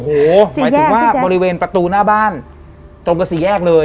หมายถึงว่าบริเวณประตูหน้าบ้านตรงกับสี่แยกเลย